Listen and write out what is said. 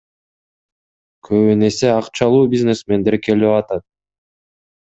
Көбүнесе акчалуу бизнесмендер келип атат.